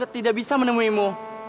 tidak bisa menemuimu